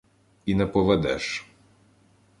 — І не поведеш.